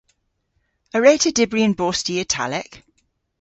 A wre'ta dybri yn bosti Italek?